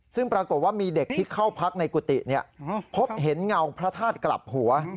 ซึ่งปรากฏว่ามีเด็กที่เข้าพักในกุฏิพบเห็นเงาพระธาตุกลับหัว